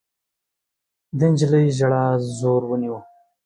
د نجلۍ ژړا زور ونيو.